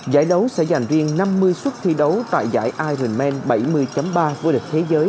giải đấu sẽ giành riêng năm mươi suất thi đấu tại giải ironman bảy mươi ba vua địch thế giới